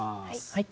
はい。